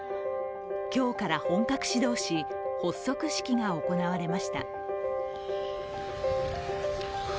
今日から本格始動し発足式が行われました。